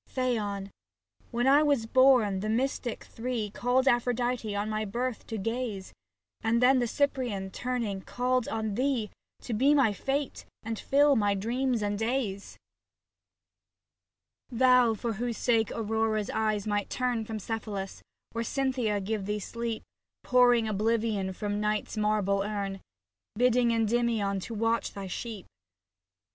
Phaon ! when I was born, the mystic three Called Aphrodite on my birth to gaze, And then the Cyprian, turning, called on thee To be my fate and fill my dreams and days. 66 SAPPHO TO PHAON Thou for whose sake Aurora's eyes might turn From Cephalus, or Cynthia give thee sleep, Pouring obUvion from night's marble urn, Bidding Endymion to watch thy sheep